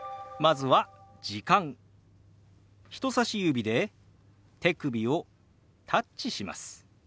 人さし指で手首をタッチします。